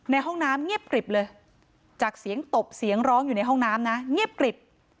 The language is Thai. ห้องน้ำเงียบกริบเลยจากเสียงตบเสียงร้องอยู่ในห้องน้ำนะเงียบกริบ